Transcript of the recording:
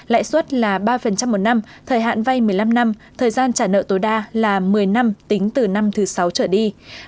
lãi suất là ba một năm thời hạn vay một mươi năm năm thời gian trả nợ tối đa là một mươi năm tính từ năm thứ sáu trở đi